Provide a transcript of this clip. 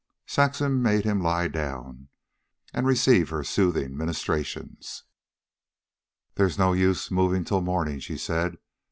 Saxon made him lie down and receive her soothing ministrations. "There is no use moving till morning," she said.